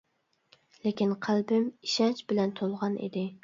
لېكىن، قەلبىم ئىشەنچ بىلەن تولغان ئىدى.